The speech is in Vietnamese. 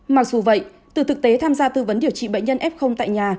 mặc dù vậy từ thực tế tham gia tư vấn điều trị bệnh nhân f tại nhà